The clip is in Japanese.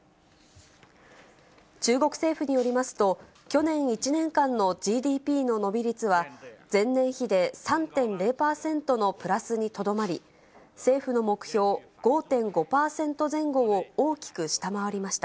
中国政府によりますと、去年１年間のＧＤＰの伸び率は、前年比で３．０％のプラスにとどまり、政府の目標、５．５％前後を大きく下回りました。